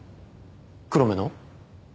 黒目の？